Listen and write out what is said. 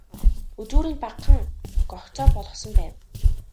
Үзүүрийг нь багахан гогцоо болгосон байв.